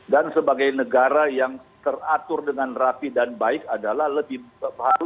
dan sebagai negara yang teratur dengan rapi dan baik adalah harus lebih mengecilkan informal worker